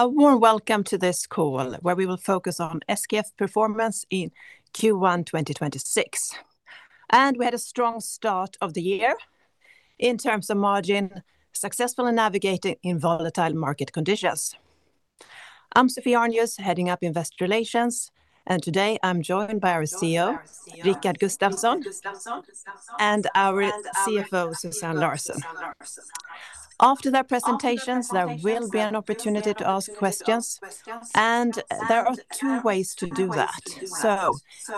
A warm welcome to this call where we will focus on SKF performance in Q1 2026. We had a strong start of the year in terms of margin, successfully navigating in volatile market conditions. I'm Sophie Arnius, heading up investor relations, and today I'm joined by our CEO, Rickard Gustafson, and our CFO, Susanne Larsson. After their presentations, there will be an opportunity to ask questions, and there are two ways to do that.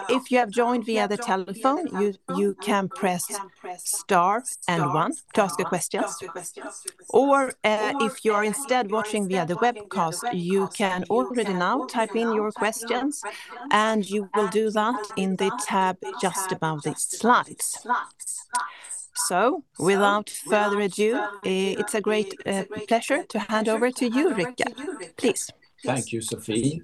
If you have joined via the telephone, you can press star and one to ask a question. If you're instead watching via the webcast, you can already now type in your questions, and you will do that in the tab just above the slides. Without further ado, it's a great pleasure to hand over to you, Rickard. Please. Thank you, Sophie,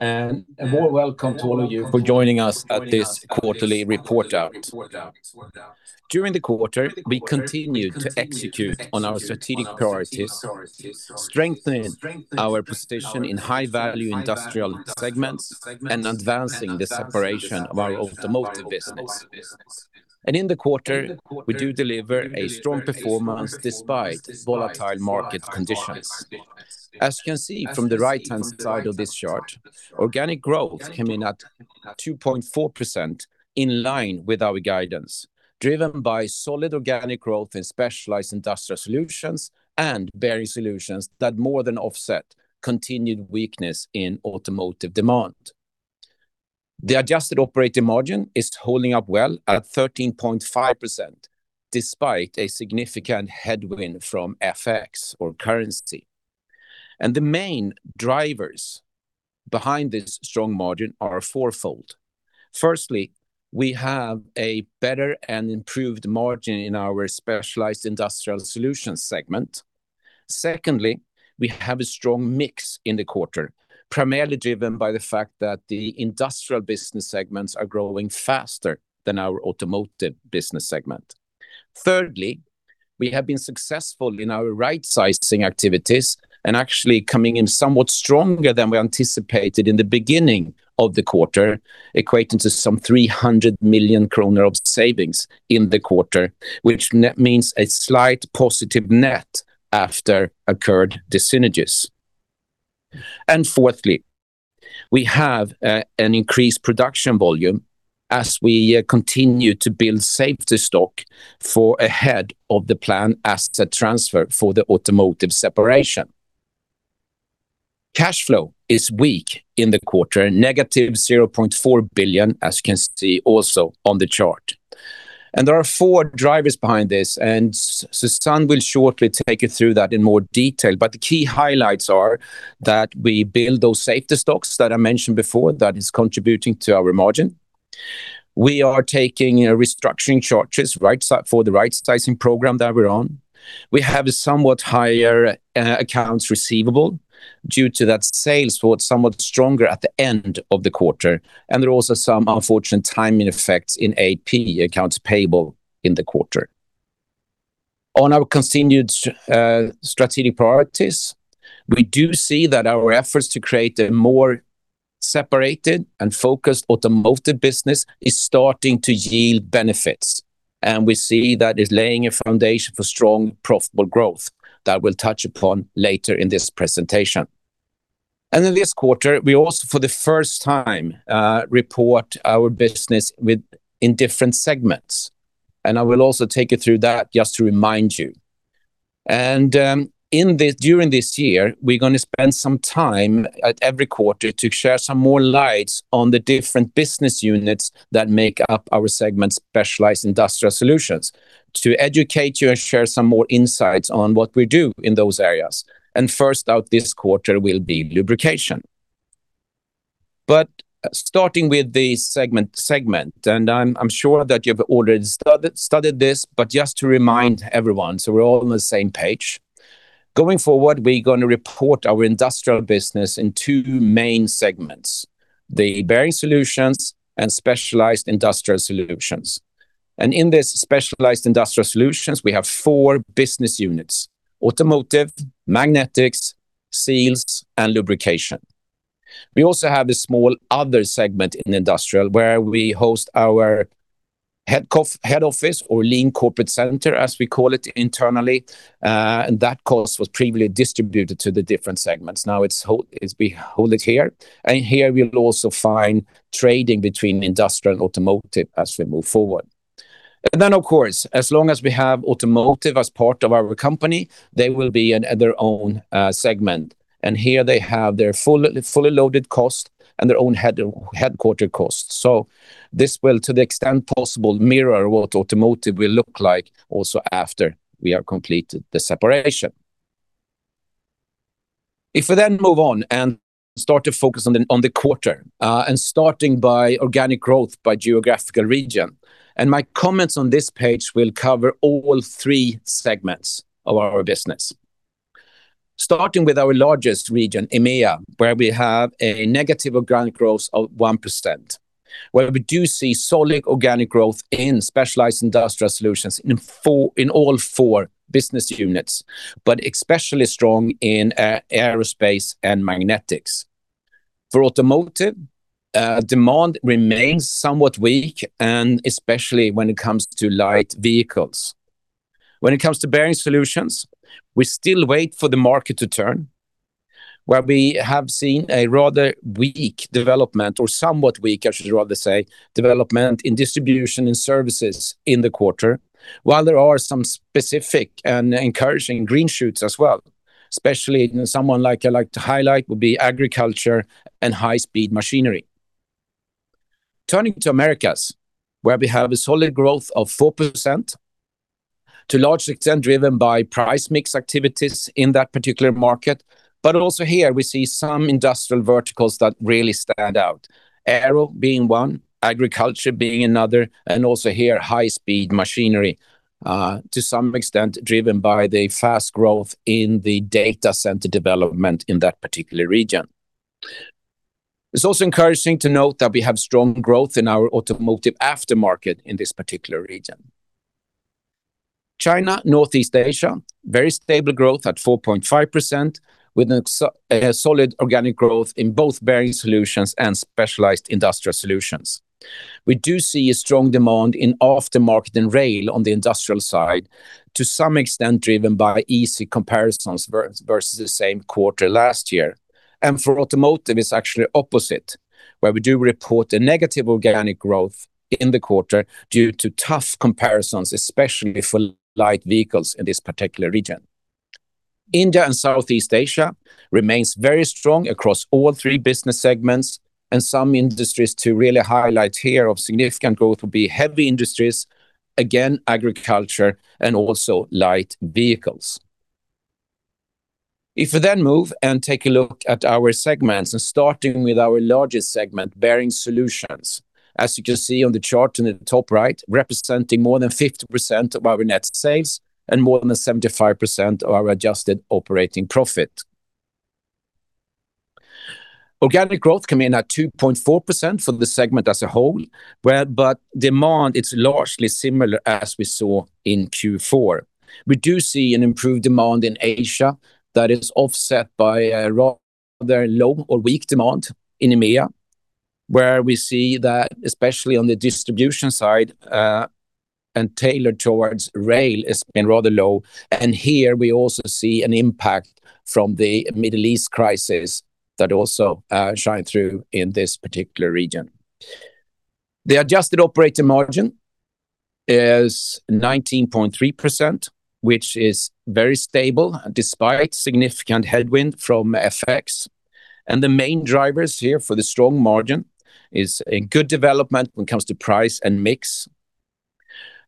and a warm welcome to all of you for joining us at this quarterly report out. During the quarter, we continued to execute on our strategic priorities, strengthening our position in high-value industrial segments, and advancing the separation of our Automotive business. In the quarter, we do deliver a strong performance despite volatile market conditions. As you can see from the right-hand side of this chart, organic growth came in at 2.4%, in line with our guidance, driven by solid organic growth in Specialized Industrial Solutions and Bearing Solutions that more than offset continued weakness in Automotive demand. The adjusted operating margin is holding up well at 13.5%, despite a significant headwind from FX or currency. The main drivers behind this strong margin are fourfold. Firstly, we have a better and improved margin in our Specialized Industrial Solutions segment. Secondly, we have a strong mix in the quarter, primarily driven by the fact that the industrial business segments are growing faster than our Automotive business segment. Thirdly, we have been successful in our right-sizing activities and actually coming in somewhat stronger than we anticipated in the beginning of the quarter, equating to some 300 million kronor of savings in the quarter, which means a slight positive net after incurred dis-synergies. Fourthly, we have an increased production volume as we continue to build safety stock ahead of the planned asset transfer for the automotive separation. Cash flow is weak in the quarter, -0.4 billion, as you can see also on the chart. There are four drivers behind this, and Susanne will shortly take you through that in more detail. The key highlights are that we build those safety stocks that I mentioned before that is contributing to our margin. We are taking restructuring charges for the right-sizing program that we're on. We have somewhat higher accounts receivable due to that sales were somewhat stronger at the end of the quarter, and there are also some unfortunate timing effects in AP, accounts payable, in the quarter. On our continued strategic priorities, we do see that our efforts to create a more separated and focused Automotive business is starting to yield benefits, and we see that it's laying a foundation for strong, profitable growth that we'll touch upon later in this presentation. In this quarter, we also, for the first time, report our business in different segments. I will also take you through that, just to remind you. During this year, we're going to spend some time at every quarter to share some more light on the different business units that make up our segment Specialized Industrial Solutions to educate you and share some more insights on what we do in those areas. First out this quarter will be lubrication. Starting with the segment. I'm sure that you've already studied this. Just to remind everyone so we're all on the same page. Going forward, we're going to report our industrial business in two main segments, the Bearing Solutions and Specialized Industrial Solutions. In this Specialized Industrial Solutions, we have four business units, Automotive, Magnetics, Seals, and Lubrication. We also have a small other segment in industrial, where we host our head office or lean corporate center, as we call it internally, and that cost was previously distributed to the different segments. Now we hold it here. Here you'll also find trading between Industrial and Automotive as we move forward. Then, of course, as long as we have Automotive as part of our company, they will be their own segment. Here they have their fully loaded cost and their own headquarters cost. This will, to the extent possible, mirror what Automotive will look like also after we have completed the separation. If we then move on and start to focus on the quarter, starting by organic growth by geographical region, and my comments on this page will cover all three segments of our business. Starting with our largest region, EMEA, where we have a negative organic growth of 1%, where we do see solid organic growth in Specialized Industrial Solutions in all four business units, but especially strong in Aerospace and Magnetics. For Automotive, demand remains somewhat weak, and especially when it comes to light vehicles. When it comes to Bearing Solutions, we still wait for the market to turn, where we have seen a rather weak development, or somewhat weak, I should rather say, development in distribution and services in the quarter, while there are some specific and encouraging green shoots as well, especially one I like to highlight would be agriculture and high-speed machinery. Turning to Americas, where we have a solid growth of 4%, to a large extent driven by price mix activities in that particular market. Also here we see some industrial verticals that really stand out, aero being one, agriculture being another, and also here, high-speed machinery, to some extent driven by the fast growth in the data center development in that particular region. It's also encouraging to note that we have strong growth in our automotive aftermarket in this particular region. China, Northeast Asia, very stable growth at 4.5% with a solid organic growth in both Bearing Solutions and Specialized Industrial Solutions. We do see a strong demand in aftermarket and rail on the Industrial side to some extent, driven by easy comparisons versus the same quarter last year. For Automotive, it's actually opposite, where we do report a negative organic growth in the quarter due to tough comparisons, especially for light vehicles in this particular region. India and Southeast Asia remains very strong across all three business segments and some industries to really highlight here of significant growth will be heavy industries, again, agriculture and also light vehicles. If we then move and take a look at our segments, and starting with our largest segment, Bearing Solutions, as you can see on the chart in the top right, representing more than 50% of our net sales and more than 75% of our adjusted operating profit. Organic growth came in at 2.4% for the segment as a whole. Demand, it's largely similar as we saw in Q4. We do see an improved demand in Asia that is offset by a rather low or weak demand in EMEA, where we see that especially on the distribution side, and tailored towards rail, it's been rather low. Here we also see an impact from the Middle East crisis that also shine through in this particular region. The adjusted operating margin is 19.3%, which is very stable despite significant headwind from FX. The main drivers here for the strong margin is a good development when it comes to price and mix.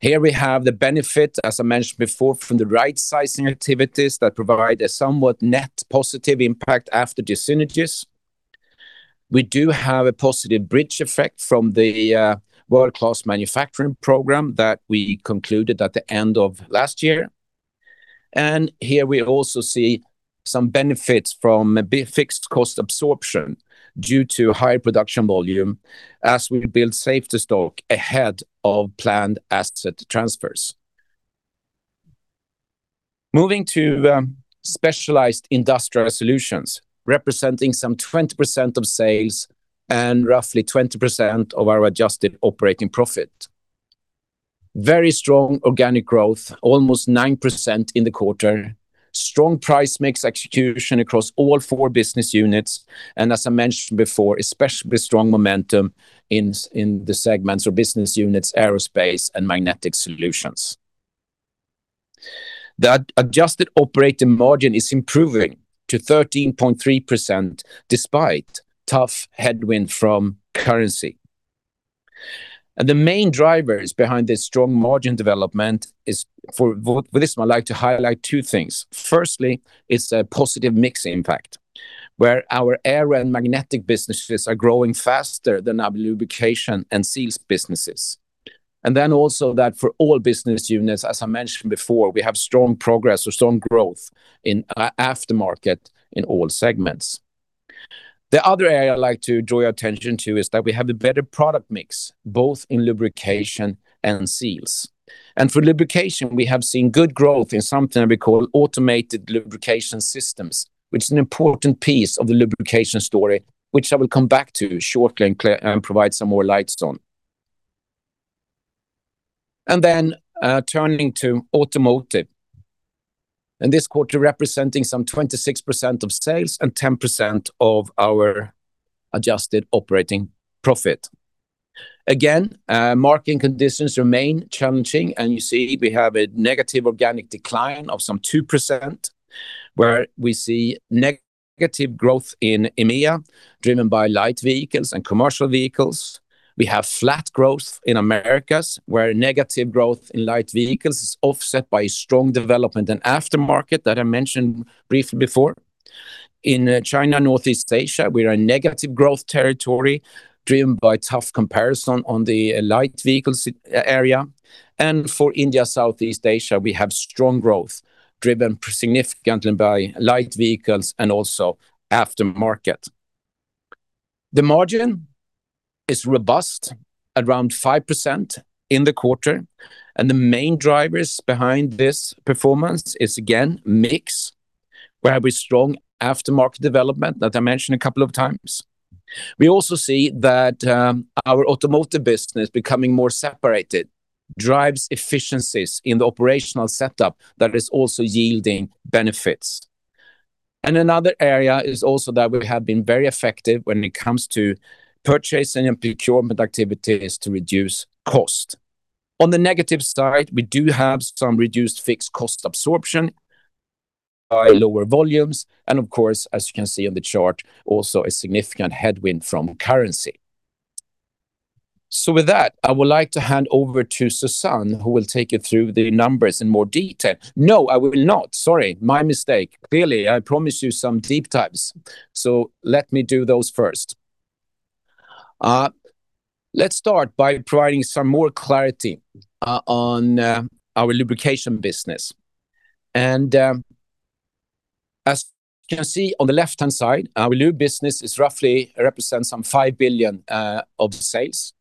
Here we have the benefit, as I mentioned before, from the right sizing activities that provide a somewhat net positive impact after the synergies. We do have a positive bridge effect from the World-Class Manufacturing program that we concluded at the end of last year. Here we also see some benefits from a bit fixed cost absorption due to high production volume as we build safety stock ahead of planned asset transfers. Moving to Specialized Industrial Solutions, representing some 20% of sales and roughly 20% of our adjusted operating profit. Very strong organic growth, almost 9% in the quarter. Strong price mix execution across all four business units, and as I mentioned before, especially strong momentum in the segments or business units, Aerospace and Magnetic Solutions. The adjusted operating margin is improving to 13.3%, despite tough headwind from currency. The main drivers behind this strong margin development is, with this one I'd like to highlight two things. Firstly, it's a positive mix impact where our Aerospace and Magnetic businesses are growing faster than our lubrication and seals businesses. Then also that for all business units, as I mentioned before, we have strong progress or strong growth in aftermarket in all segments. The other area I'd like to draw your attention to is that we have a better product mix, both in Lubrication and Seals. For Lubrication, we have seen good growth in something we call automated lubrication systems, which is an important piece of the Lubrication story, which I will come back to shortly and provide some more light on. Turning to Automotive. In this quarter, representing some 26% of sales and 10% of our adjusted operating profit. Market conditions remain challenging, and you see we have a negative organic decline of some 2% where we see negative growth in EMEA driven by light vehicles and commercial vehicles. We have flat growth in Americas where negative growth in light vehicles is offset by strong development in aftermarket that I mentioned briefly before. In China, Northeast Asia, we are in negative growth territory driven by tough comparison on the light vehicles area. For India, Southeast Asia, we have strong growth driven significantly by light vehicles and also aftermarket. The margin. It's robust at around 5% in the quarter. The main drivers behind this performance is, again, mix, where we have strong aftermarket development that I mentioned a couple of times. We also see that our Automotive business becoming more separated drives efficiencies in the operational setup that is also yielding benefits. Another area is also that we have been very effective when it comes to purchasing and procurement activities to reduce cost. On the negative side, we do have some reduced fixed cost absorption by lower volumes, and of course, as you can see on the chart, also a significant headwind from currency. With that, I would like to hand over to Susanne, who will take you through the numbers in more detail. No, I will not. Sorry, my mistake. Clearly, I promised you some deep dives. Let me do those first. Let's start by providing some more clarity on our Lubrication business. As you can see on the left-hand side, our Lube business roughly represents some 5 billion of sales.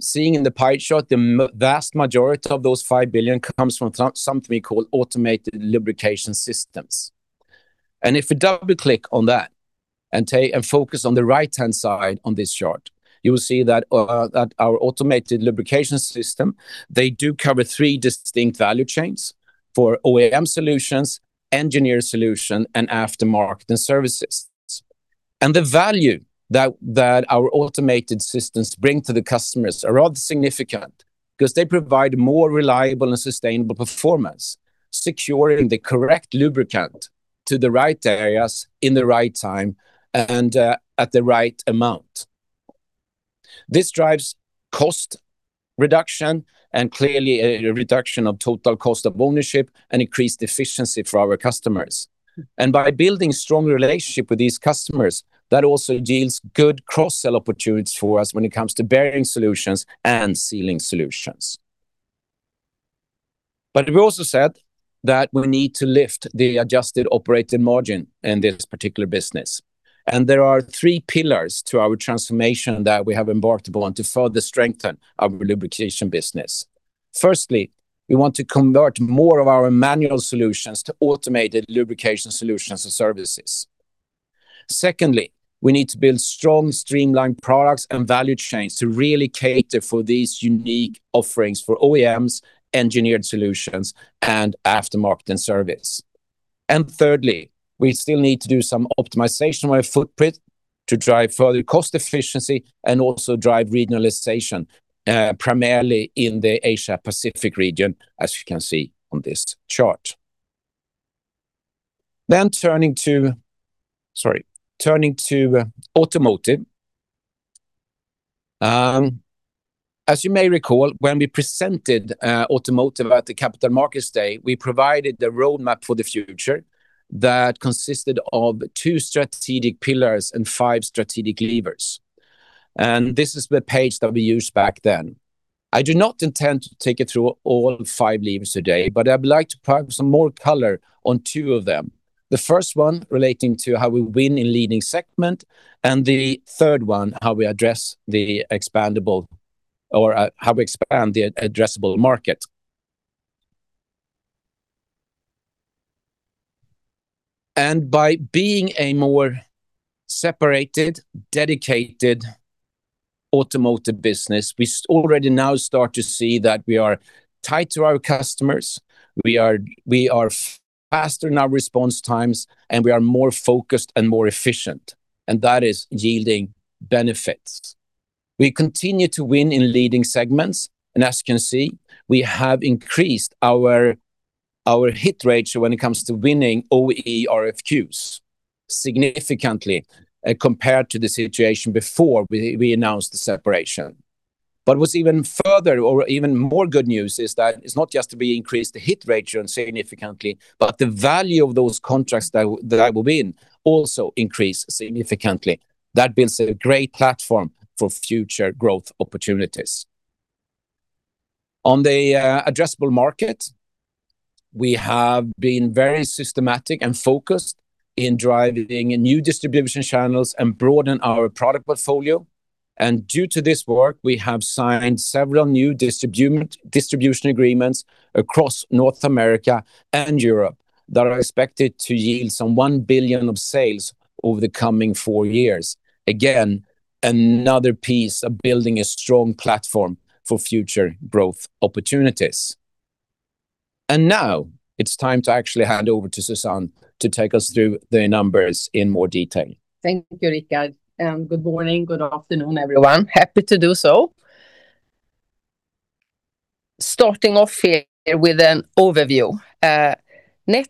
Seeing in the pie chart, the vast majority of those 5 billion comes from something called automated lubrication systems. If we double-click on that and focus on the right-hand side on this chart, you will see that our automated lubrication system, they do cover three distinct value chains for OEM solutions, engineered solution, and aftermarket and services. The value that our automated systems bring to the customers are rather significant because they provide more reliable and sustainable performance, securing the correct lubricant to the right areas in the right time and at the right amount. This drives cost reduction and clearly a reduction of total cost of ownership and increased efficiency for our customers. By building strong relationship with these customers, that also yields good cross-sell opportunities for us when it comes to Bearing Solutions and Sealing Solutions. We also said that we need to lift the adjusted operating margin in this particular business. There are three pillars to our transformation that we have embarked upon to further strengthen our Lubrication business. Firstly, we want to convert more of our manual solutions to automated lubrication solutions and services. Secondly, we need to build strong streamlined products and value chains to really cater for these unique offerings for OEMs, engineered solutions, and aftermarket and service. Thirdly, we still need to do some optimization with footprint to drive further cost efficiency and also drive regionalization, primarily in the Asia Pacific region, as you can see on this chart. Turning to Automotive. As you may recall, when we presented Automotive at the Capital Markets Day, we provided the roadmap for the future that consisted of two strategic pillars and five strategic levers. This is the page that we used back then. I do not intend to take you through all five levers today, but I would like to provide some more color on two of them. The first one relating to how we win in leading segment, and the third one, how we address the expandable or how we expand the addressable market. By being a more separated, dedicated Automotive business, we already now start to see that we are tied to our customers, we are faster in our response times, and we are more focused and more efficient, and that is yielding benefits. We continue to win in leading segments, and as you can see, we have increased our hit rate when it comes to winning OE RFQs significantly compared to the situation before we announced the separation. What's even further or even more good news is that it's not just that we increased the hit rate significantly, but the value of those contracts that I will win also increased significantly. That builds a great platform for future growth opportunities. On the addressable market, we have been very systematic and focused in driving new distribution channels and broaden our product portfolio. Due to this work, we have signed several new distribution agreements across North America and Europe that are expected to yield some 1 billion of sales over the coming four years. Again, another piece of building a strong platform for future growth opportunities. Now it's time to actually hand over to Susanne to take us through the numbers in more detail. Thank you, Rickard. Good morning, good afternoon, everyone. Happy to do so. Starting off here with an overview. Net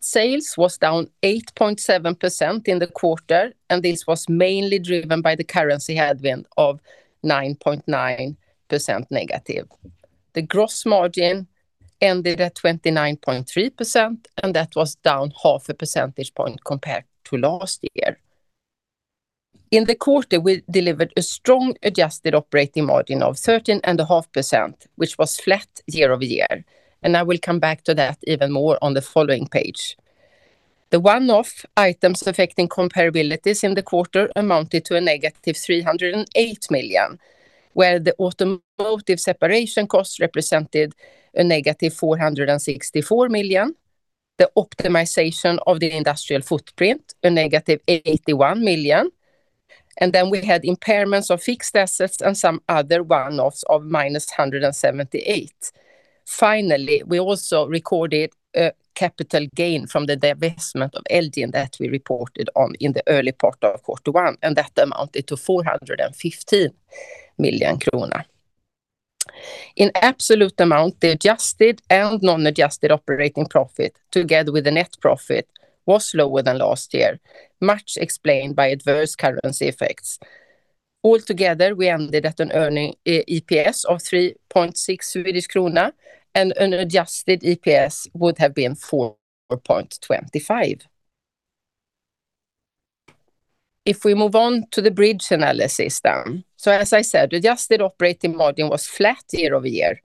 sales was down 8.7% in the quarter, and this was mainly driven by the currency headwind of -9.9%. The gross margin ended at 29.3%, and that was down half a percentage point compared to last year. In the quarter, we delivered a strong adjusted operating margin of 13.5%, which was flat year-over-year. I will come back to that even more on the following page. The one-off items affecting comparabilities in the quarter amounted to a -308 million, where the Automotive separation costs represented a -464 million, the optimization of the Industrial footprint a -81 million, and then we had impairments of fixed assets and some other one-offs of -178 million. Finally, we also recorded a capital gain from the divestment of Elgin that we reported on in the early part of quarter one, and that amounted to 415 million kronor. In absolute amount, the adjusted and non-adjusted operating profit together with the net profit was lower than last year, much explained by adverse currency effects. All together, we ended at an earning EPS of 3.6 Swedish krona and an adjusted EPS would have been 4.25. If we move on to the bridge analysis then. As I said, adjusted operating margin was flat year-over-year,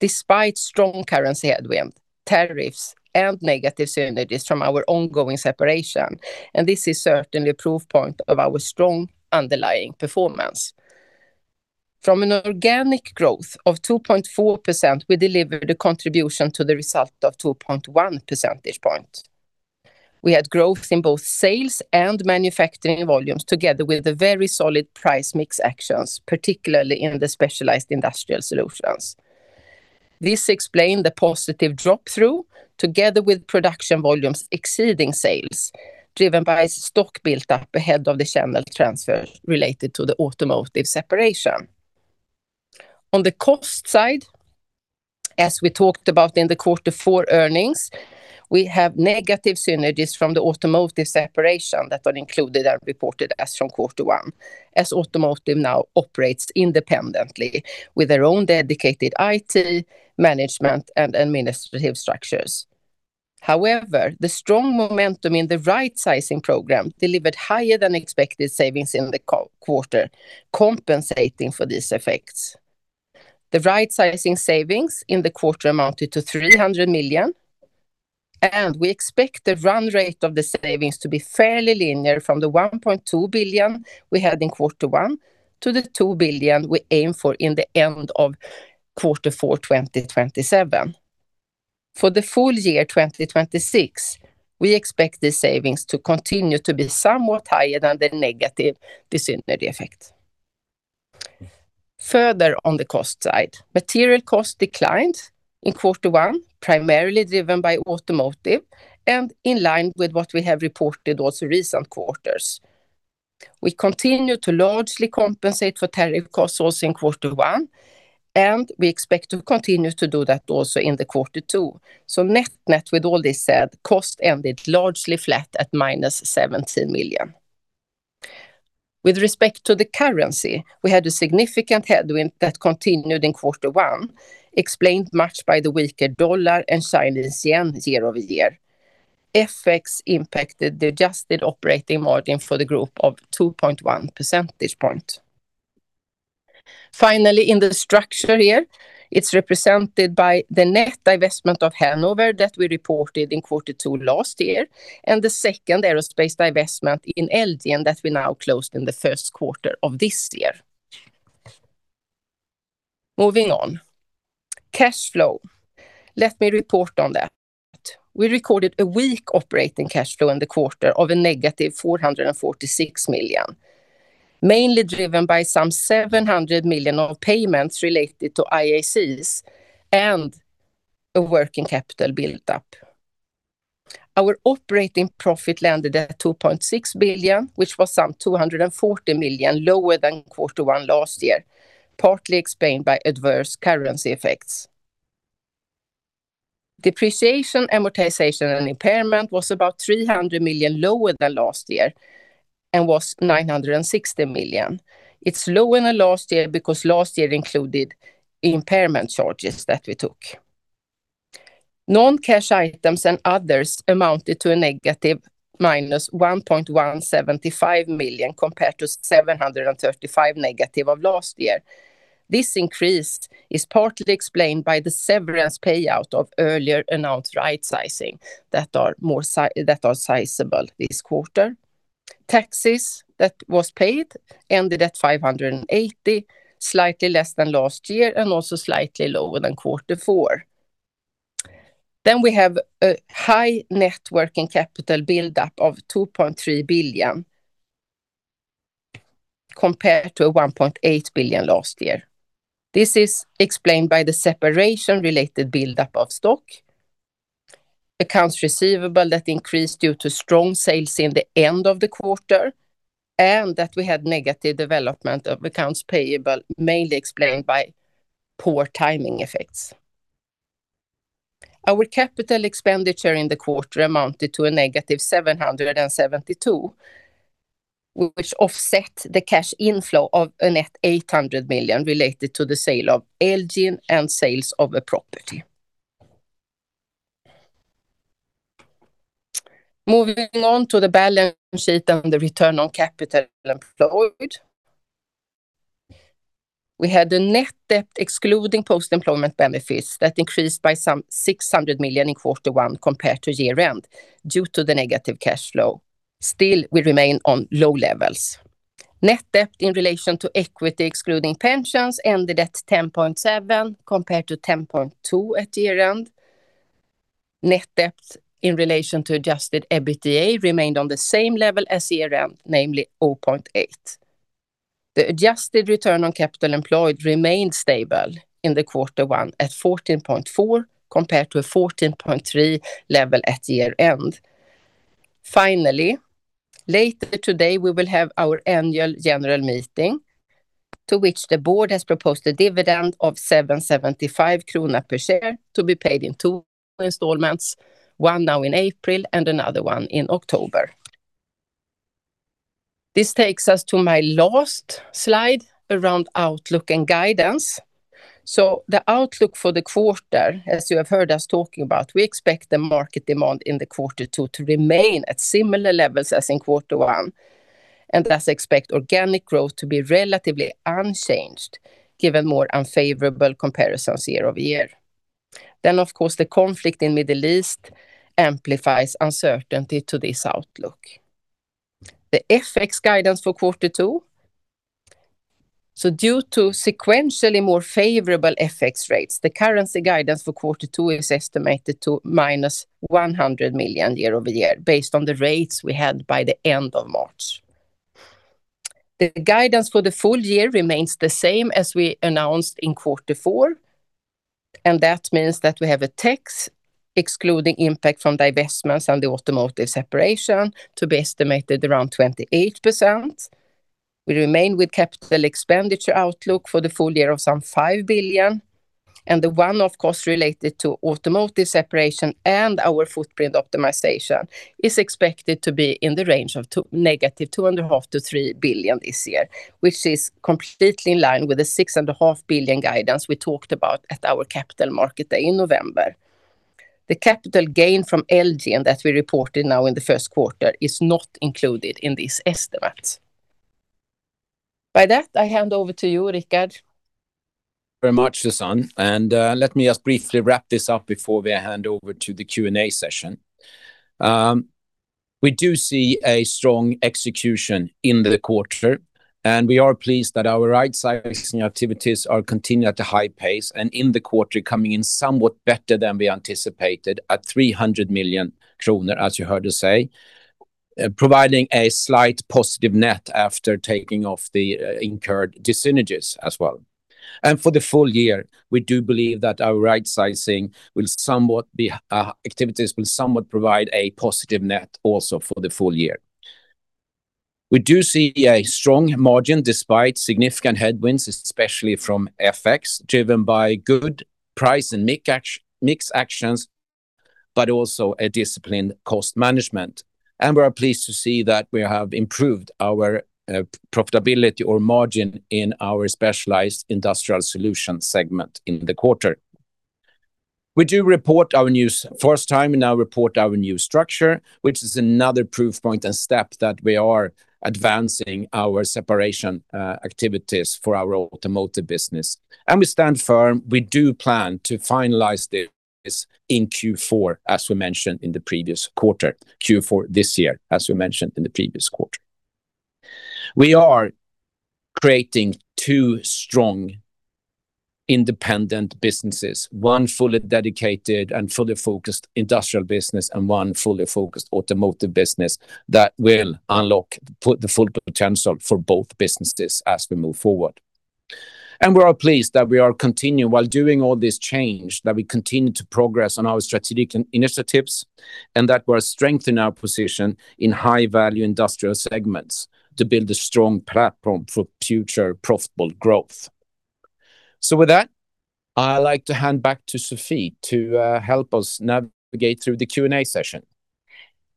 despite strong currency headwind, tariffs, and negative synergies from our ongoing separation. This is certainly a proof point of our strong underlying performance. From an organic growth of 2.4%, we delivered a contribution to the result of 2.1 percentage points. We had growth in both sales and manufacturing volumes, together with the very solid price mix actions, particularly in the Specialized Industrial Solutions. This explained the positive drop-through, together with production volumes exceeding sales, driven by stock built up ahead of the channel transfer related to the Automotive separation. On the cost side, as we talked about in the quarter four earnings, we have negative synergies from the Automotive separation that are included and reported as from quarter one, as Automotive now operates independently with their own dedicated IT, management, and administrative structures. However, the strong momentum in the right sizing program delivered higher than expected savings in the quarter, compensating for these effects. The right sizing savings in the quarter amounted to 300 million, and we expect the run rate of the savings to be fairly linear from the 1.2 billion we had in quarter one to the 2 billion we aim for in the end of quarter four 2027. For the full year 2026, we expect the savings to continue to be somewhat higher than the negative dis-synergies effect. Further on the cost side, material cost declined in quarter one, primarily driven by Automotive and in line with what we have reported also recent quarters. We continued to largely compensate for tariff costs also in quarter one, and we expect to continue to do that also into quarter two. Net net with all this said, cost ended largely flat at -17 million. With respect to the currency, we had a significant headwind that continued in quarter one, explained much by the weaker dollar and Chinese yuan year-over-year. FX impacted the adjusted operating margin for the group of 2.1 percentage points. Finally, in the structure here, it's represented by the net divestment of Hanover that we reported in quarter two last year, and the second Aerospace divestment in Elgin that we now closed in the first quarter of this year. Moving on. Cash flow. Let me report on that. We recorded a weak operating cash flow in the quarter of -446 million, mainly driven by some 700 million of payments related to IACs and a working capital buildup. Our operating profit landed at 2.6 billion, which was some 240 million lower than quarter one last year, partly explained by adverse currency effects. Depreciation, amortization, and impairment was about 300 million lower than last year and was 960 million. It's lower than last year because last year included impairment charges that we took. Non-cash items and others amounted to a -1.175 million compared to -735 million last year. This increase is partly explained by the severance payout of earlier announced right sizing that are sizable this quarter. Taxes that was paid ended at 580 million, slightly less than last year and also slightly lower than quarter four. We have a high net working capital buildup of 2.3 billion compared to 1.8 billion last year. This is explained by the separation related buildup of stock, accounts receivable that increased due to strong sales in the end of the quarter, and that we had negative development of accounts payable, mainly explained by poor timing effects. Our capital expenditure in the quarter amounted to -772 million, which offset the cash inflow of a net 800 million related to the sale of Elgin and sales of a property. Moving on to the balance sheet and the return on capital employed. We had a net debt excluding post-employment benefits that increased by some 600 million in quarter one compared to year-end due to the negative cash flow. Still, we remain on low levels. Net debt in relation to equity excluding pensions ended at 10.7 compared to 10.2 at year-end. Net debt in relation to adjusted EBITDA remained on the same level as year-end, namely 0.8. The adjusted return on capital employed remained stable in the quarter one at 14.4, compared to a 14.3 level at year-end. Finally, later today, we will have our annual general meeting, to which the board has proposed a dividend of 775 kronor per share to be paid in two installments, one now in April and another one in October. This takes us to my last slide around outlook and guidance. The outlook for the quarter, as you have heard us talking about, we expect the market demand in quarter two to remain at similar levels as in quarter one, and thus expect organic growth to be relatively unchanged, given more unfavorable comparisons year-over-year. Of course, the conflict in the Middle East amplifies uncertainty to this outlook. The FX guidance for quarter two. Due to sequentially more favorable FX rates, the currency guidance for quarter two is estimated to -100 million year-over-year based on the rates we had by the end of March. The guidance for the full year remains the same as we announced in quarter four, and that means that we have a tax excluding impact from divestments on the Automotive separation to be estimated around 28%. We remain with capital expenditure outlook for the full year of some 5 billion and the one, of course, related to Automotive separation and our footprint optimization is expected to be in the range of negative 2.5 billion-3 billion this year, which is completely in line with the 6.5 billion guidance we talked about at our Capital Markets Day in November. The capital gain from Elgin that we reported now in the first quarter is not included in these estimates. By that, I hand over to you, Rickard. Very much, Susanne, and let me just briefly wrap this up before we hand over to the Q&A session. We do see a strong execution in the quarter, and we are pleased that our rightsizing activities are continuing at a high pace and in the quarter, coming in somewhat better than we anticipated at 300 million kronor, as you heard us say, providing a slight positive net after taking off the incurred dis-synergies as well. For the full year, we do believe that our rightsizing activities will somewhat provide a positive net also for the full year. We do see a strong margin despite significant headwinds, especially from FX, driven by good price and mix actions, but also a disciplined cost management. We are pleased to see that we have improved our profitability or margin in our Specialized Industrial Solutions segment in the quarter. First time we now report our new structure, which is another proof point and step that we are advancing our separation activities for our Automotive business. We stand firm. We do plan to finalize this in Q4 this year, as we mentioned in the previous quarter. We are creating two strong, independent businesses, one fully dedicated and fully focused Industrial business and one fully focused Automotive business that will unlock the full potential for both businesses as we move forward. We are pleased that while doing all this change, we continue to progress on our strategic initiatives and that we are strengthening our position in high-value Industrial segments to build a strong platform for future profitable growth. With that, I like to hand back to Sophie to help us navigate through the Q&A session.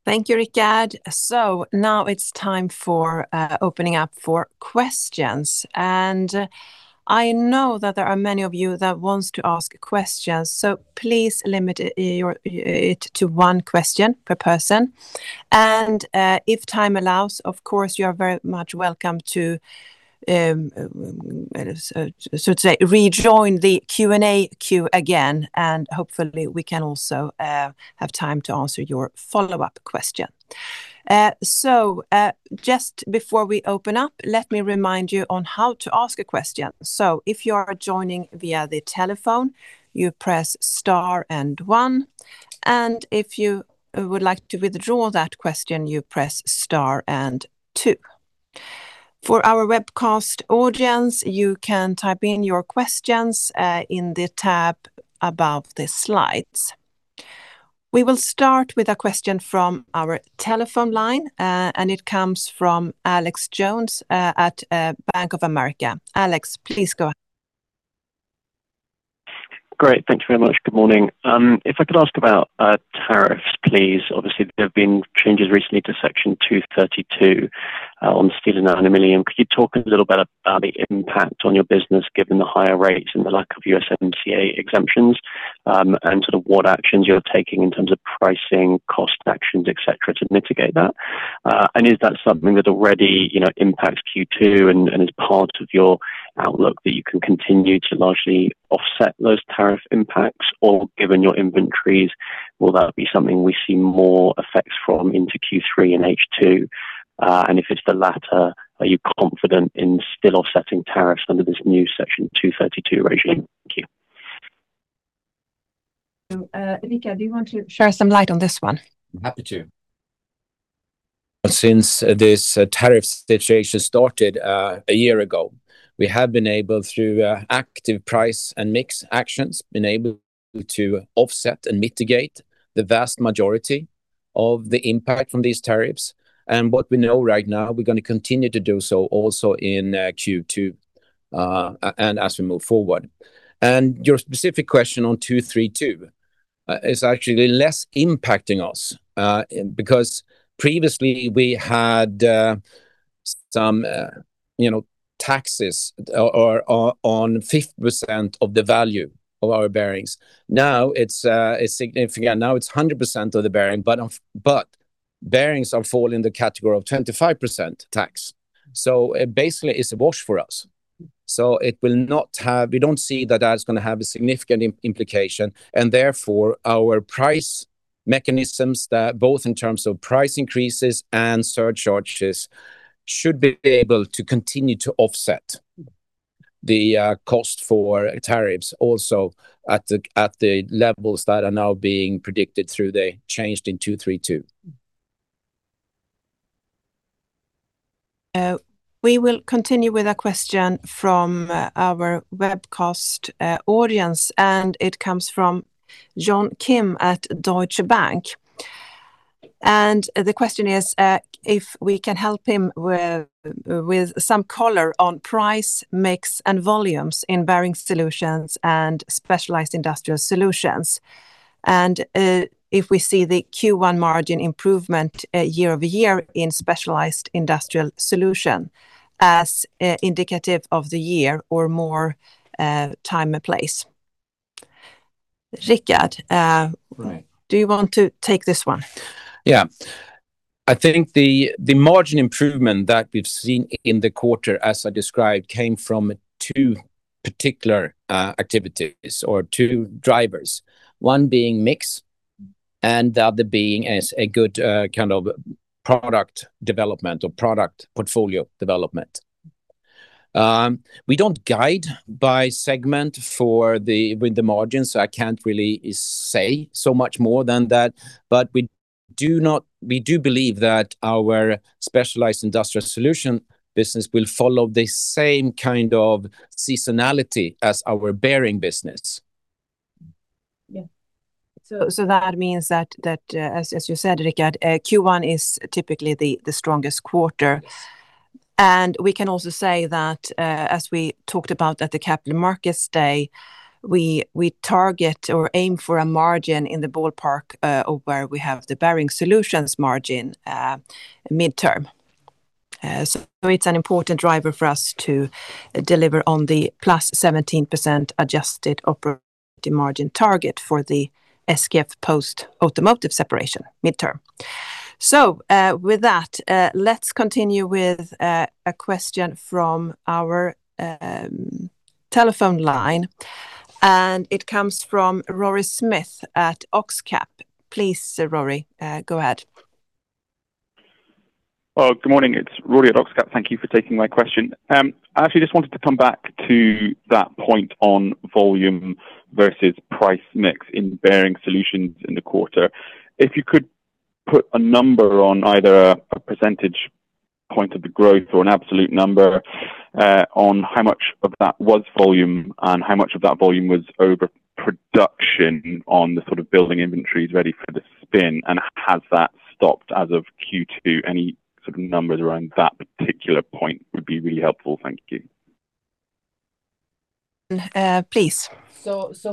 Thank you, Rickard. Now it's time for opening up for questions. I know that there are many of you that wants to ask questions, so please limit it to one question per person. If time allows, of course, you are very much welcome to rejoin the Q&A queue again, and hopefully we can also have time to answer your follow-up question. Just before we open up, let me remind you on how to ask a question. If you are joining via the telephone, you press star and one, and if you would like to withdraw that question, you press star and two. For our webcast audience, you can type in your questions in the tab above the slides. We will start with a question from our telephone line, and it comes from Alex Jones at Bank of America. Alex, please go ahead. Great. Thank you very much. Good morning. If I could ask about tariffs, please. Obviously, there have been changes recently to Section 232 on steel and aluminium. Could you talk a little bit about the impact on your business given the higher rates and the lack of USMCA exemptions? Sort of what actions you're taking in terms of pricing, cost actions, et cetera, to mitigate that. Is that something that already impacts Q2 and is part of your outlook that you can continue to largely offset those tariff impacts? Given your inventories, will that be something we see more effects from into Q3 and H2? If it's the latter, are you confident in still offsetting tariffs under this new Section 232 regime? Thank you. Rickard, do you want to shed some light on this one? I'm happy to. Since this tariff situation started a year ago, we have, through active price and mix actions, been able to offset and mitigate the vast majority of the impact from these tariffs. What we know right now, we're going to continue to do so also in Q2 as we move forward. Your specific question on 232 is actually less impacting us, because previously we had some taxes on 50% of the value of our bearings. Now it's significant. Now it's 100% of the bearing, but bearings fall in the category of 25% tax. It basically is a wash for us. We don't see that as going to have a significant implication. Our price mechanisms, both in terms of price increases and surcharges, should be able to continue to offset the cost for tariffs also at the levels that are now being predicted through the change in 232. We will continue with a question from our webcast audience, and it comes from John Kim at Deutsche Bank. The question is if we can help him with some color on price, mix, and volumes in Bearing Solutions and Specialized Industrial Solutions. If we see the Q1 margin improvement year-over-year in Specialized Industrial Solutions as indicative of the year or more time and place. Rickard, do you want to take this one? Yeah. I think the margin improvement that we've seen in the quarter, as I described, came from two particular activities or two drivers. One being mix and the other being as a good kind of product development or product portfolio development. We don't guide by segment with the margins, so I can't really say so much more than that. We do believe that our Specialized Industrial Solutions business will follow the same kind of seasonality as our bearing business. Yeah. That means that, as you said, Rickard, Q1 is typically the strongest quarter. We can also say that, as we talked about at the Capital Markets Day, we target or aim for a margin in the ballpark of where we have the Bearing Solutions margin midterm. It's an important driver for us to deliver on the +17% adjusted operating margin target for the SKF post Automotive separation midterm. With that, let's continue with a question from our telephone line, and it comes from Rory Smith at OxCap. Please, Rory, go ahead. Good morning. It's Rory at OxCap. Thank you for taking my question. I actually just wanted to come back to that point on volume versus price mix in Bearing Solutions in the quarter. If you could put a number on either a percentage point of the growth or an absolute number on how much of that was volume and how much of that volume was overproduction on the sort of building inventories ready for the spin, and has that stopped as of Q2? Any sort of numbers around that particular point would be really helpful. Thank you. Please.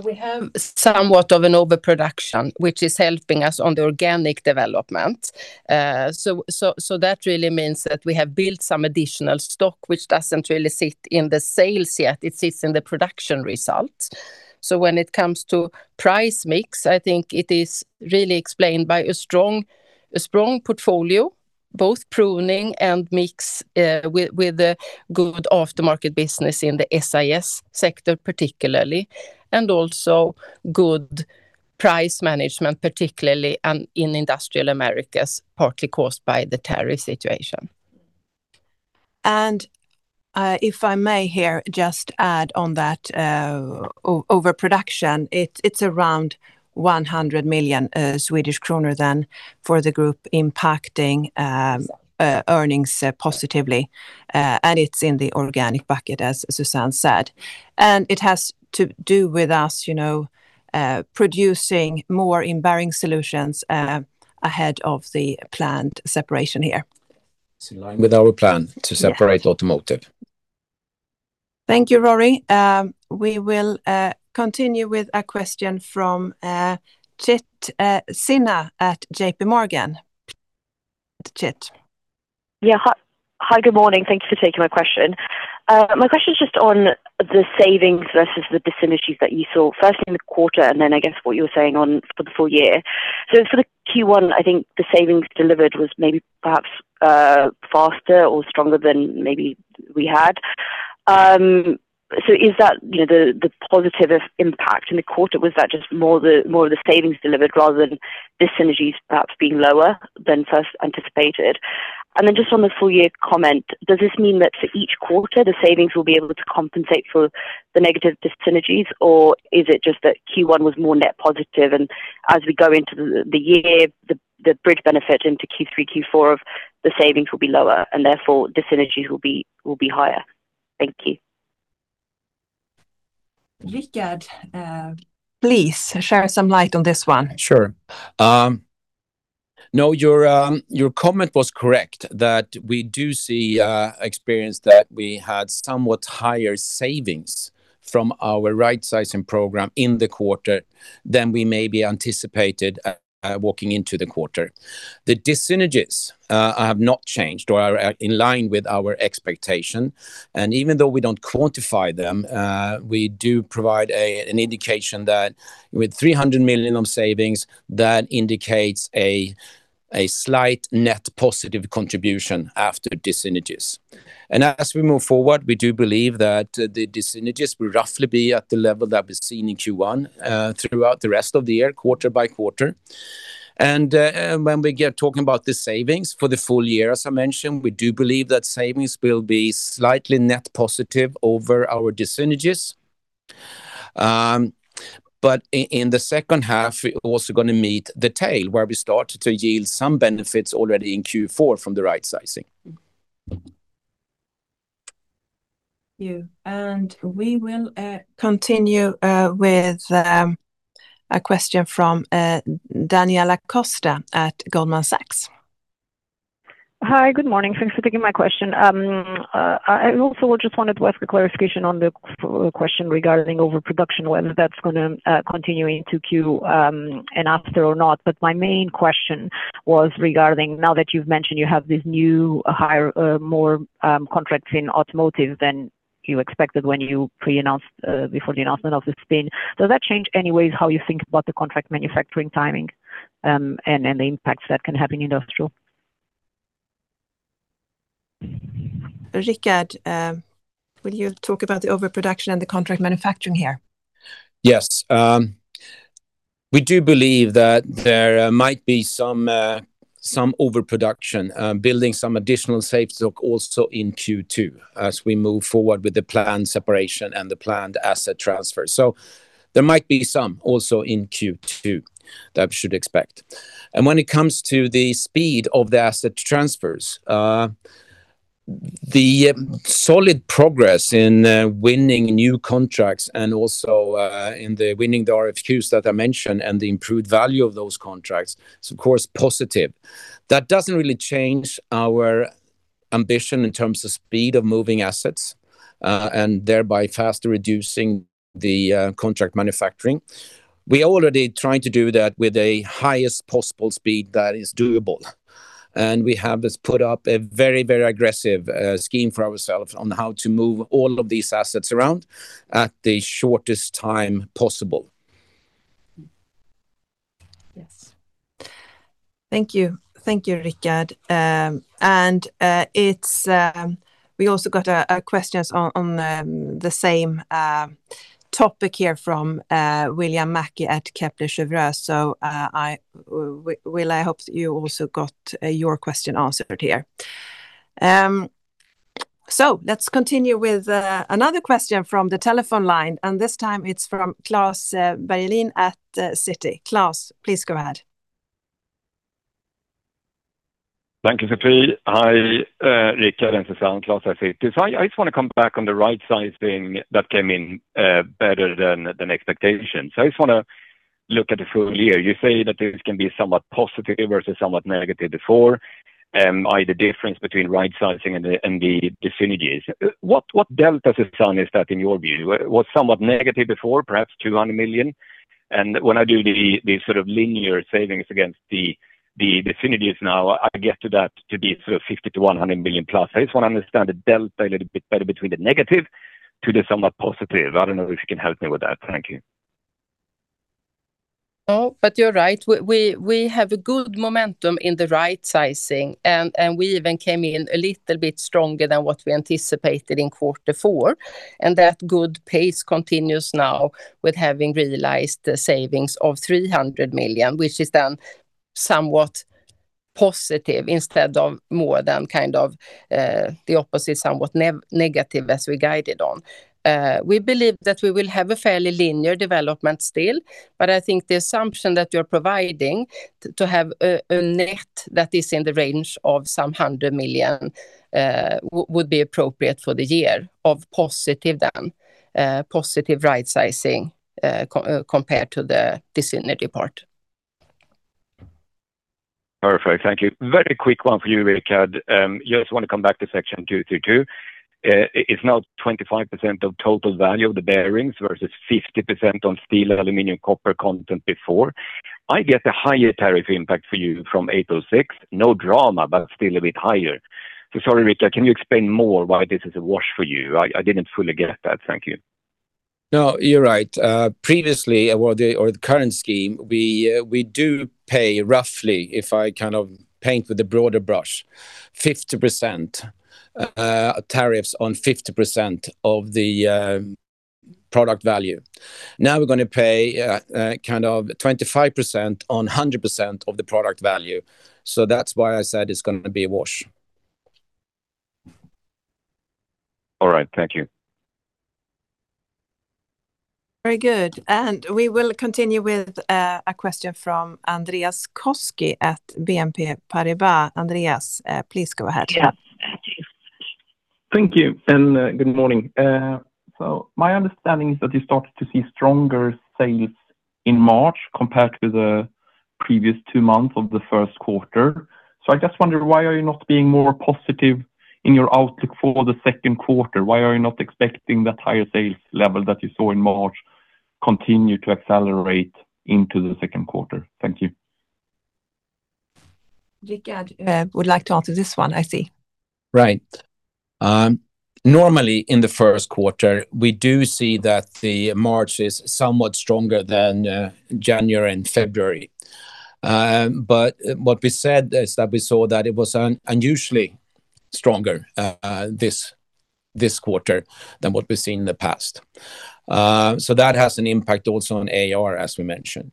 We have somewhat of an overproduction, which is helping us on the organic development. That really means that we have built some additional stock, which doesn't really sit in the sales yet. It sits in the production result. When it comes to price mix, I think it is really explained by a strong portfolio, both pruning and mix, with the good aftermarket business in the SIS sector particularly, and also good price management particularly in Industrial Americas, partly caused by the tariff situation. If I may here just add on that overproduction, it's around 100 million Swedish kronor then for the group impacting earnings positively. It's in the organic bucket, as Susanne said, and it has to do with us producing more in Bearing Solutions ahead of the planned separation here. It's in line with our plan to separate Automotive. Thank you, Rory. We will continue with a question from Chit Sinha at JPMorgan. Chit? Yeah. Hi, good morning. Thank you for taking my question. My question is just on the savings versus the dis-synergies that you saw first in the quarter, and then I guess what you were saying for the full year. For the Q1, I think the savings delivered was maybe perhaps faster or stronger than maybe we had. Is that the positive impact in the quarter? Was that just more of the savings delivered rather than dis-synergies perhaps being lower than first anticipated? And then just on the full year comment, does this mean that for each quarter, the savings will be able to compensate for the negative dis-synergies, or is it just that Q1 was more net positive and as we go into the year, the bridge benefit into Q3, Q4 of the savings will be lower and therefore dis-synergies will be higher? Thank you. Rickard, please shed some light on this one. Sure. No, your comment was correct that we do see from experience that we had somewhat higher savings from our right-sizing program in the quarter than we maybe anticipated walking into the quarter. The dis-synergies have not changed or are in line with our expectation. Even though we don't quantify them, we do provide an indication that with 300 million of savings, that indicates a slight net positive contribution after dis-synergies. As we move forward, we do believe that the dis-synergies will roughly be at the level that we've seen in Q1 throughout the rest of the year, quarter by quarter. When we get talking about the savings for the full year, as I mentioned, we do believe that savings will be slightly net positive over our dis-synergies. In the second half, we're also going to meet the tail where we start to yield some benefits already in Q4 from the right-sizing. Thank you. We will continue with a question from Daniela Costa at Goldman Sachs. Hi, good morning. Thanks for taking my question. I also just wanted to ask a clarification on the question regarding overproduction, whether that's going to continue into Q and after or not. My main question was regarding now that you've mentioned you have these new, more contracts in Automotive than you expected when you pre-announced before the announcement of the spin. Does that change any ways how you think about the contract manufacturing timing, and the impacts that can have in Industrial? Rickard, will you talk about the overproduction and the contract manufacturing here? Yes. We do believe that there might be some overproduction, building some additional safety stock also in Q2 as we move forward with the planned separation and the planned asset transfer. There might be some also in Q2 that we should expect. When it comes to the speed of the asset transfers, the solid progress in winning new contracts and also in the winning RFQs that I mentioned and the improved value of those contracts is of course positive. That doesn't really change our ambition in terms of speed of moving assets, and thereby faster reducing the contract manufacturing. We're already trying to do that at the highest possible speed that is doable, and we have put up a very aggressive scheme for ourselves on how to move all of these assets around at the shortest time possible. Yes. Thank you, Rickard. We also got questions on the same topic here from William Mackie at Kepler Cheuvreux. Will, I hope that you also got your question answered here. Let's continue with another question from the telephone line, and this time it's from Klas Bergelind at Citi. Klas, please go ahead. Thank you, Sophie. Hi, Rickard and Susanne, Klas at Citi. I just want to come back on the rightsizing that came in better than expectations. I just want to look at the full year. You say that this can be somewhat positive versus somewhat negative before, the difference between rightsizing and the dis-synergies. What delta, Susanne, is that in your view? What's somewhat negative before, perhaps 200 million? When I do the sort of linear savings against the dis-synergies now, I get that to be sort of 50 million-100 million+. I just want to understand the delta a little bit better between the negative to the somewhat positive. I don't know if you can help me with that. Thank you. Oh, you're right. We have a good momentum in the right sizing, and we even came in a little bit stronger than what we anticipated in quarter four. That good pace continues now with having realized the savings of 300 million, which is then somewhat positive instead of more than kind of the opposite, somewhat negative as we guided on. We believe that we will have a fairly linear development still, but I think the assumption that you're providing to have a net that is in the range of some hundred million, would be appropriate for the year of positive right sizing, compared to the dis-synergy part. Perfect. Thank you. Very quick one for you, Rickard. Just want to come back to Section 232. It's now 25% of total value of the bearings versus 50% on steel, aluminum, copper content before. I get a higher tariff impact for you from 806. No drama, but still a bit higher. Sorry, Rickard, can you explain more why this is a wash for you? I didn't fully get that. Thank you. No, you're right. Previously, or the current scheme, we do pay roughly, if I paint with a broader brush, 50% tariffs on 50% of the product value. Now we're going to pay 25% on 100% of the product value. That's why I said it's going to be a wash. All right. Thank you. Very good. We will continue with a question from Andreas Koski at BNP Paribas. Andreas, please go ahead. Yes. Thank you, and good morning. My understanding is that you started to see stronger sales in March compared to the previous two months of the first quarter. I just wonder, why are you not being more positive in your outlook for the second quarter? Why are you not expecting that higher sales level that you saw in March continue to accelerate into the second quarter? Thank you. Rickard would like to answer this one, I see. Right. Normally in the first quarter, we do see that March is somewhat stronger than January and February. What we said is that we saw that it was unusually stronger this quarter than what we've seen in the past. That has an impact also on AR, as we mentioned.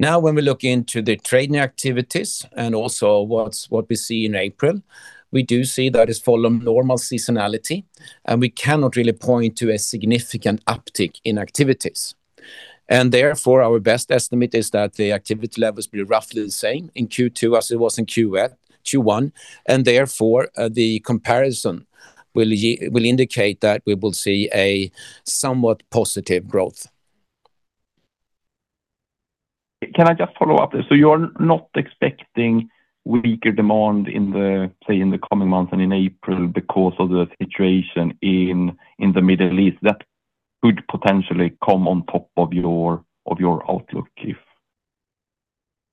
Now when we look into the trading activities and also what we see in April, we do see that it follows normal seasonality, and we cannot really point to a significant uptick in activities. Therefore, our best estimate is that the activity levels be roughly the same in Q2 as it was in Q1, and therefore, the comparison will indicate that we will see a somewhat positive growth. Can I just follow up? You're not expecting weaker demand in the coming months and in April because of the situation in the Middle East that could potentially come on top of your outlook?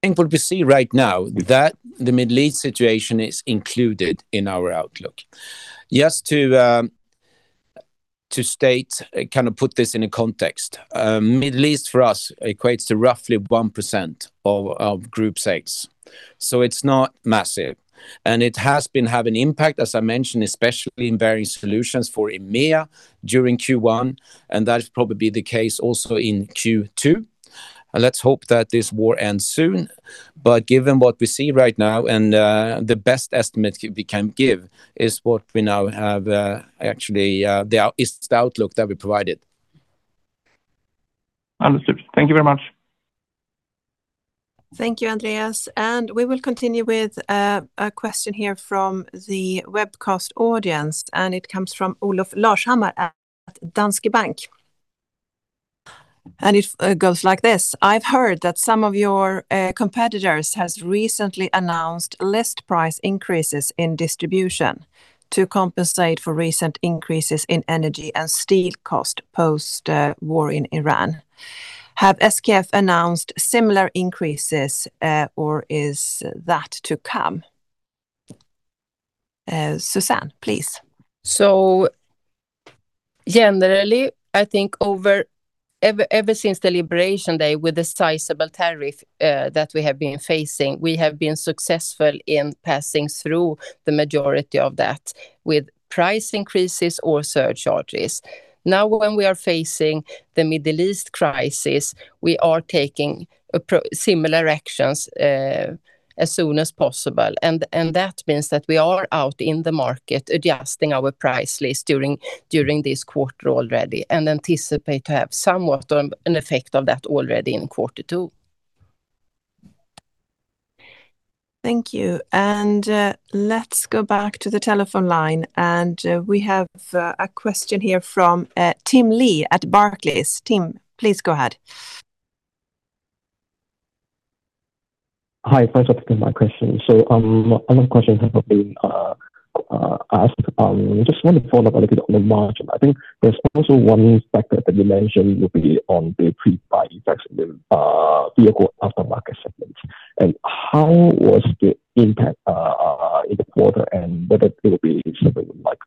I think what we see right now, that the Middle East situation is included in our outlook. Just to put this in a context, Middle East for us equates to roughly 1% of group sales. It's not massive, and it has been having impact, as I mentioned, especially in various solutions for EMEA during Q1, and that is probably the case also in Q2. Let's hope that this war ends soon. Given what we see right now and the best estimate we can give is what we now have, actually, is the outlook that we provided. Understood. Thank you very much. Thank you, Andreas. We will continue with a question here from the webcast audience, and it comes from Olof Larshammar at Danske Bank. It goes like this: I've heard that some of your competitors has recently announced list price increases in distribution to compensate for recent increases in energy and steel cost post war in Iran. Have SKF announced similar increases or is that to come? Susanne, please. Generally, I think ever since the Liberation Day with the sizable tariff that we have been facing, we have been successful in passing through the majority of that with price increases or surcharges. Now when we are facing the Middle East crisis, we are taking similar actions as soon as possible. That means that we are out in the market adjusting our price list during this quarter already and anticipate to have somewhat an effect of that already in quarter two. Thank you. Let's go back to the telephone line. We have a question here from Tim Lee at Barclays. Tim, please go ahead. Hi, thanks for taking my question. Another question has been asked. I just want to follow up a little bit on the margin. I think there's also one factor that you mentioned will be on the pre-buy effects in the vehicle aftermarket segment. How was the impact in the quarter and whether it will be something like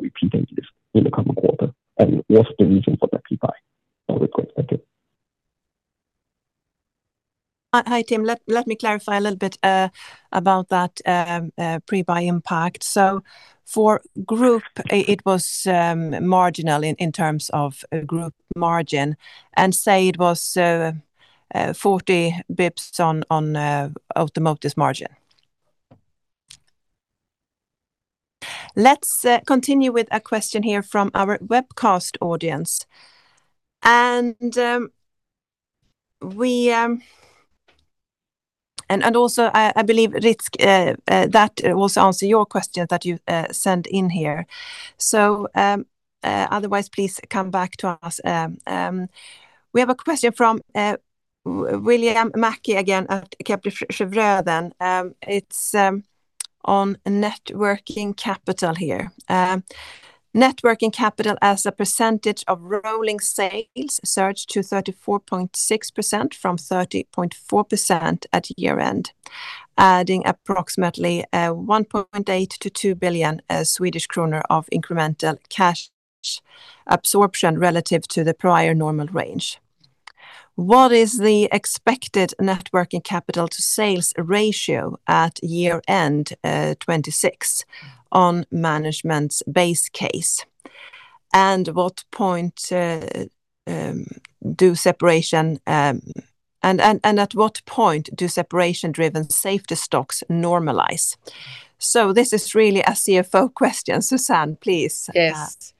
repeating this in the coming quarter? What's the reason for that pre-buy request? Thank you. Hi, Tim. Let me clarify a little bit about that pre-buy impact. For group, it was marginal in terms of group margin and say it was 40 basis points on Automotive's margin. Let's continue with a question here from our webcast audience. I believe, Rizk, that will also answer your question that you sent in here. Otherwise, please come back to us. We have a question from William Mackie again at Kepler Cheuvreux then. It's on net working capital here. Net working capital as a percentage of rolling sales surged to 34.6% from 30.4% at year-end, adding approximately 1.8 billion-2 billion Swedish kronor of incremental cash absorption relative to the prior normal range. What is the expected net working capital to sales ratio at year-end 2026 on management's base case? And at what point do separation-driven safety stocks normalize? This is really a CFO question. Susanne, please. Yes.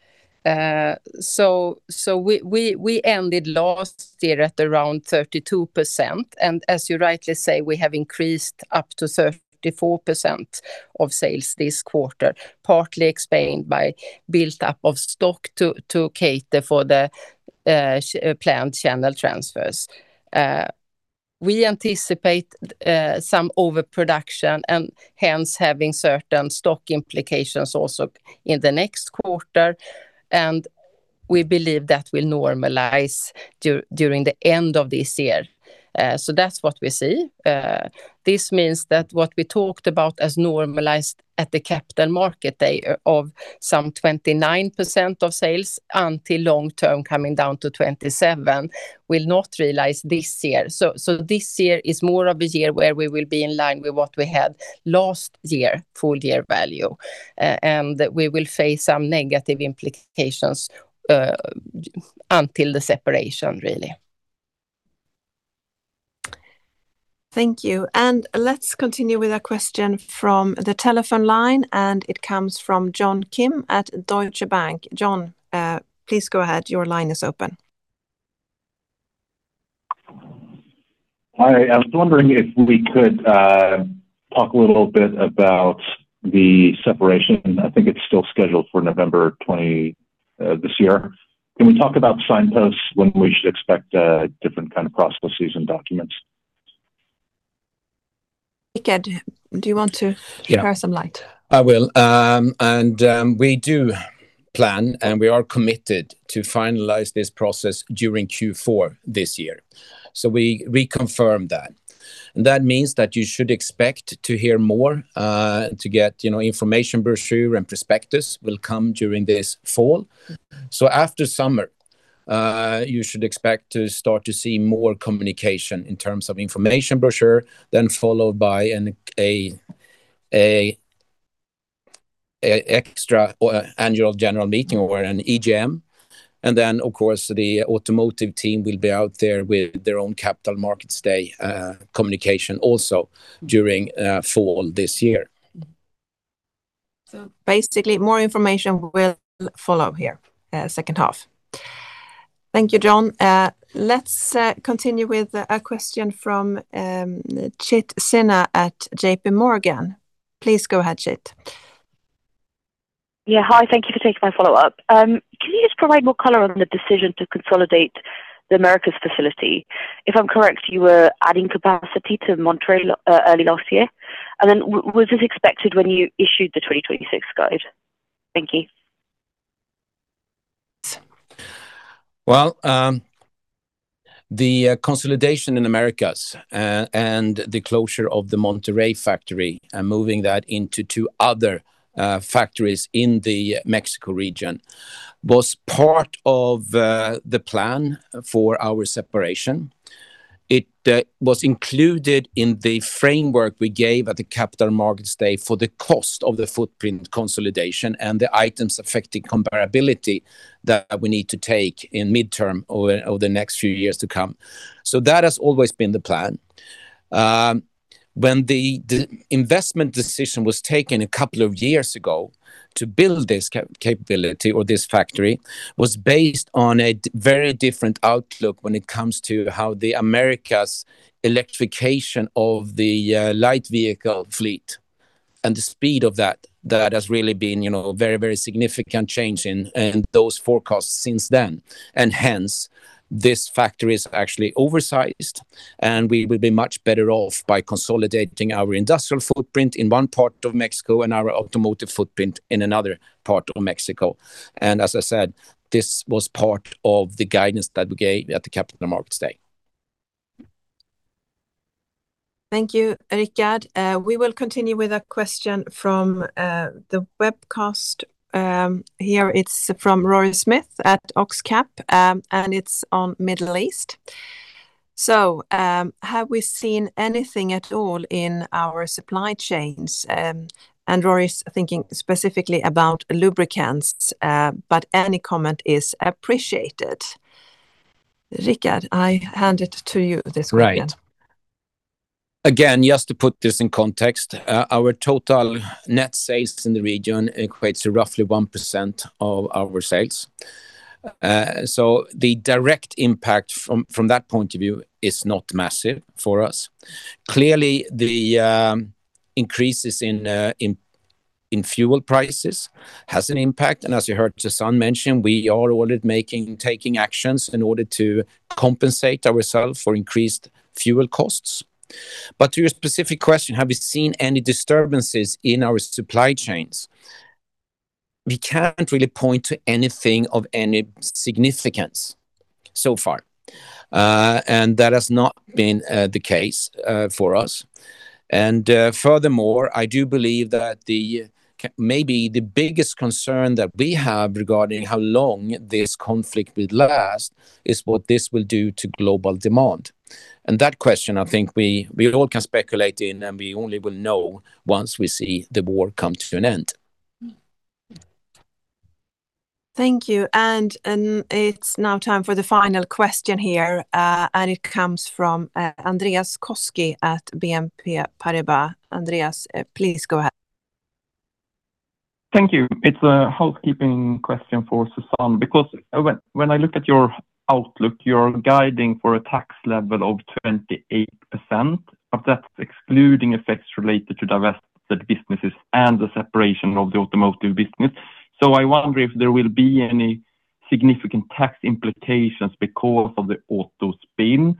We ended last year at around 32%, and as you rightly say, we have increased up to 34% of sales this quarter, partly explained by build-up of stock to cater for the planned channel transfers. We anticipate some overproduction and hence having certain stock implications also in the next quarter, and we believe that will normalize during the end of this year. That's what we see. This means that what we talked about as normalized at the Capital Markets Day of some 29% of sales until long-term coming down to 27%, will not realize this year. This year is more of a year where we will be in line with what we had last year, full year value, and we will face some negative implications until the separation really. Thank you. Let's continue with a question from the telephone line, and it comes from John Kim at Deutsche Bank. John, please go ahead. Your line is open. Hi. I was wondering if we could talk a little bit about the separation. I think it's still scheduled for November this year. Can we talk about signposts, when we should expect different kind of prospectus and documents? Rickard, do you want to shed some light? Yeah. I will. We do plan, and we are committed to finalize this process during Q4 this year. We confirm that. That means that you should expect to hear more. To get information, brochure and prospectus will come during this fall. After summer, you should expect to start to see more communication in terms of information brochure, then followed by an extra annual general meeting or an EGM. Then, of course, the Automotive team will be out there with their own Capital Markets Day communication also during fall this year. Basically, more information will follow here, second half. Thank you, John. Let's continue with a question from Chit Sinha at JPMorgan. Please go ahead, Chit. Yeah. Hi. Thank you for taking my follow-up. Can you just provide more color on the decision to consolidate the Americas facility? If I'm correct, you were adding capacity to Monterrey, early last year. Was this expected when you issued the 2026 guide? Thank you. Well, the consolidation in Americas, and the closure of the Monterrey factory and moving that into two other factories in the Mexico region was part of the plan for our separation. It was included in the framework we gave at the Capital Markets Day for the cost of the footprint consolidation and the items affecting comparability that we need to take in midterm, or the next few years to come. That has always been the plan. When the investment decision was taken a couple of years ago to build this capability or this factory, was based on a very different outlook when it comes to how the Americas electrification of the light vehicle fleet and the speed of that. That has really been very significant change in those forecasts since then. Hence, this factory is actually oversized, and we will be much better off by consolidating our Industrial footprint in one part of Mexico and our Automotive footprint in another part of Mexico. As I said, this was part of the guidance that we gave at the Capital Markets Day. Thank you, Rickard. We will continue with a question from the webcast. Here it's from Rory Smith at OxCap, and it's on Middle East. Have we seen anything at all in our supply chains? And Rory's thinking specifically about Lubricants, but any comment is appreciated. Rickard, I hand it to you. Right. Again, just to put this in context, our total net sales in the region equates to roughly 1% of our sales. The direct impact from that point of view is not massive for us. Clearly, the increases in fuel prices has an impact. As you heard Susanne mention, we are already making and taking actions in order to compensate ourselves for increased fuel costs. To your specific question, have you seen any disturbances in our supply chains? We can't really point to anything of any significance so far. That has not been the case for us. Furthermore, I do believe that maybe the biggest concern that we have regarding how long this conflict will last is what this will do to global demand. That question, I think we all can speculate in, and we only will know once we see the war come to an end. Thank you. It's now time for the final question here, and it comes from Andreas Koski at BNP Paribas. Andreas, please go ahead. Thank you. It's a housekeeping question for Susanne. Because when I look at your outlook, you're guiding for a tax level of 28%, of that excluding effects related to divested businesses and the separation of the Automotive business. I wonder if there will be any significant tax implications because of the Auto spin.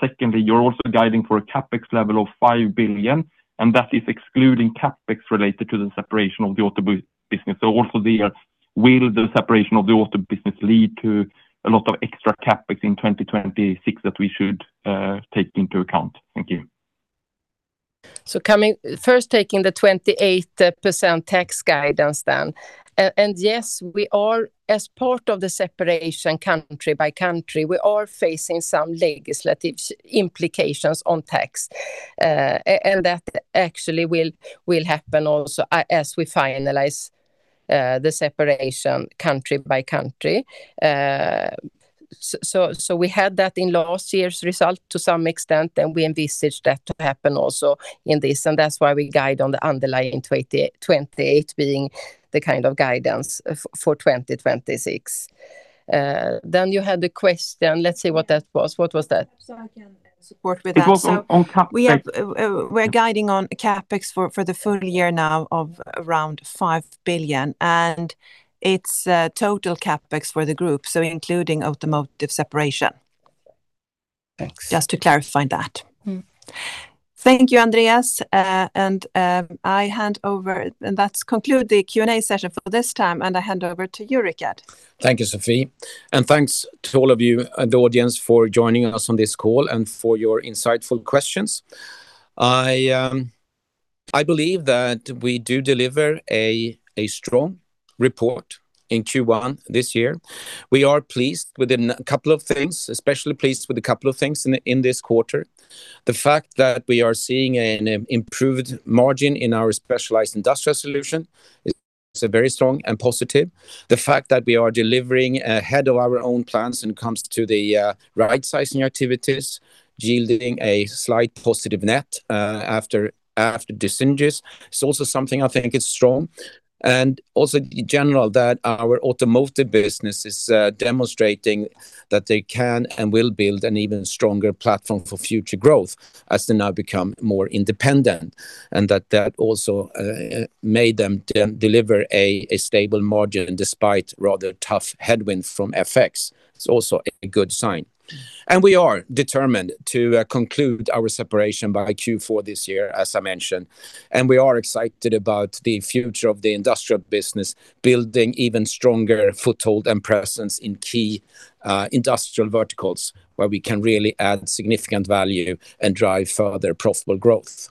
Secondly, you're also guiding for a CapEx level of 5 billion, and that is excluding CapEx related to the separation of the Auto business. Also there, will the separation of the Auto business lead to a lot of extra CapEx in 2026 that we should take into account? Thank you. First taking the 28% tax guidance then. Yes, as part of the separation country by country, we are facing some legislative implications on tax. That actually will happen also as we finalize the separation country by country. We had that in last year's result to some extent, and we envisaged that to happen also in this, and that's why we guide on the underlying 28% being the kind of guidance for 2026. You had the question, let's see what that was. What was that? I can support with that. It was on CapEx. We're guiding on CapEx for the full year now of around 5 billion, and it's total CapEx for the group, so including Automotive separation. Thanks. Just to clarify that. Thank you, Andreas. That concludes the Q&A session for this time, and I hand over to you, Rickard. Thank you, Sophie. Thanks to all of you in the audience for joining us on this call and for your insightful questions. I believe that we do deliver a strong report in Q1 this year. We are especially pleased with a couple of things in this quarter. The fact that we are seeing an improved margin in our Specialized Industrial Solution is very strong and positive. The fact that we are delivering ahead of our own plans when it comes to the right sizing activities, yielding a slight positive net after dis-synergies, is also something I think is strong. Also, in general, that our Automotive business is demonstrating that they can and will build an even stronger platform for future growth as they now become more independent. That also made them deliver a stable margin despite rather tough headwind from FX. It's also a good sign. We are determined to conclude our separation by Q4 this year, as I mentioned. We are excited about the future of the Industrial business, building even stronger foothold and presence in key industrial verticals where we can really add significant value and drive further profitable growth.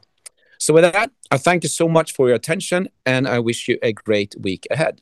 With that, I thank you so much for your attention, and I wish you a great week ahead.